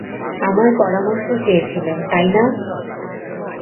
আমার পরামর্শ চেয়েছিলে, তাই না?